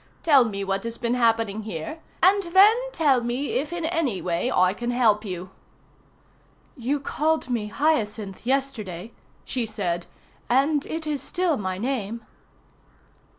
Tell me what has been happening here, and then tell me if in any way I can help you." "You called me Hyacinth yesterday," she said, "and it is still my name."